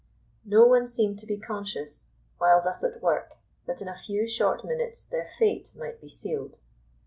No one seemed to be conscious, while thus at work, that in a few short minutes their fate might be sealed.